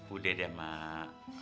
udah deh mak